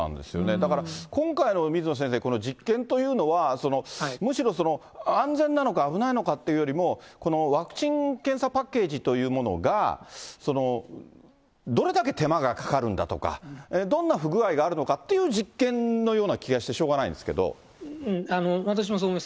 だから、今回の水野先生、この実験というのは、むしろ安全なのか危ないのかっていうよりも、ワクチン・検査パッケージというものが、どれだけ手間がかかるんだとか、どんな不具合があるのかっていう実験のような気がしてしょうがな私もそう思います。